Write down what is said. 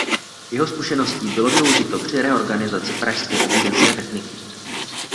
Jeho zkušeností bylo využito při reorganizaci pražské i vídeňské techniky.